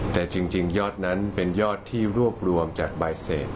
แต่จริงยอดนั้นเป็นยอดที่รวบรวมจากใบเสร็จ